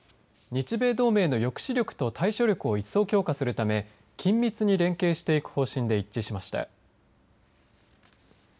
日米同盟の抑止力と対処力を一層、強化するため緊密に連携していく方針で一致しました。